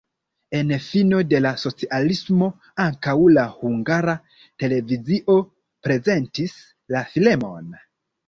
En fino de la socialismo ankaŭ la Hungara Televizio prezentis la filmon.